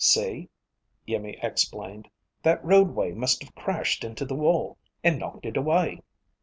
"See," Iimmi explained. "That roadway must have crashed into the wall and knocked it away."